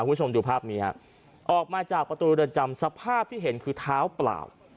คุณผู้ชมดูภาพนี้ฮะออกมาจากประตูเรือนจำสภาพที่เห็นคือเท้าเปล่า